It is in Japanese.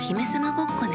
ごっこね